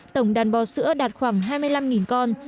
tổng đàn bò sữa đạt khoảng hai mươi năm con